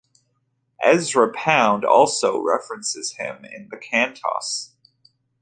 Ezra Pound also references him in the Cantos.